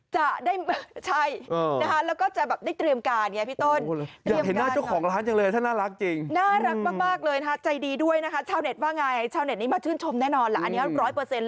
ใช่แล้วก็จะได้เตรียมการ